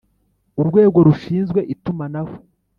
Urwego rushinzwe itumanaho